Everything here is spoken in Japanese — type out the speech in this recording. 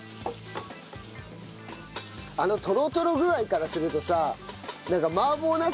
あのトロトロ具合からするとさ。